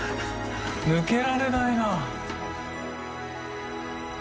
抜けられないな。